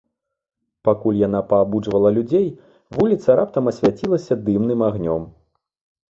Пакуль яна паабуджвала людзей, вуліца раптам асвяцілася дымным агнём.